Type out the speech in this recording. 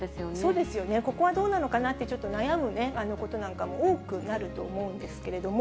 そうですよね、ここはどうなのかなって、ちょっと悩むことなんかも多くなると思うんですけれども。